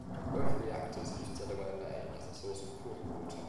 Both reactors use Delaware Bay as a source of cooling water.